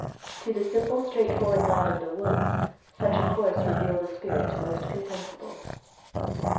To the simple straight forward lad of the woods, such a course revealed a spirit most contemptible.